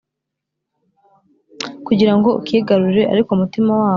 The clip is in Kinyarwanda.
kugira ngo ukigarurire. ariko umutima wabo